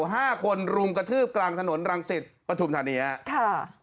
ห้าคนลุมกระทืบกลางถนนรังสิทธิ์ปฐุมฮะเนี้ยค่ะ